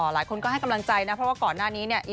หลายคนก็ให้กำลังใจนะเพราะว่าก่อนหน้านี้เนี่ย